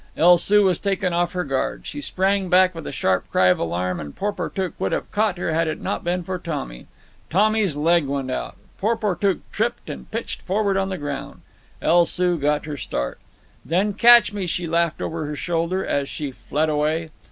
El Soo was taken off her guard. She sprang back with a sharp cry of alarm, and Porportuk would have caught her had it not been for Tommy. Tommy's leg went out, Porportuk tripped and pitched forward on the ground. El Soo got her start. "Then catch me," she laughed over her shoulder, as she fled away.